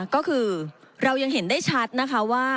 ก็คือเรายังเห็นได้ชัดนะคะว่า